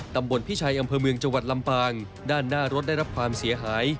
ดาลน์หน้ารถได้รับความเสียหาย